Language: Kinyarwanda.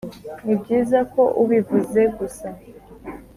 nibyiza ko ubivuze gusa